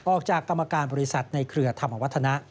ออกจากกรรมการบริษัทในเครือธรรมวัฒนะ